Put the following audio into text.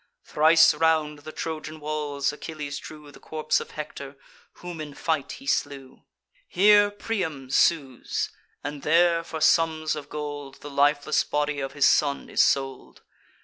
Thrice round the Trojan walls Achilles drew The corpse of Hector, whom in fight he slew. Here Priam sues; and there, for sums of gold, The lifeless body of his son is sold.